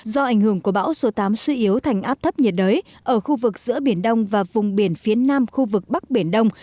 do ảnh hưởng của bão số tám suy yếu thành áp thấp nhiệt đới ở khu vực giữa biển đông và vùng biển phía nam khu vực bắc biển đông